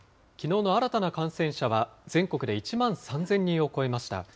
きのうの新たな感染者は、全国で１万３０００人を超えました。